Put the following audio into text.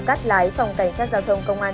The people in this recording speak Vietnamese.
cắt lái phòng cảnh sát giao thông công an